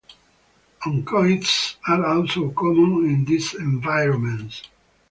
Oncoids are also common in these environments.